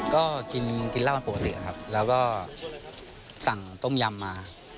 ก็กินเหล้ากันปกติครับแล้วก็สั่งต้มยำมา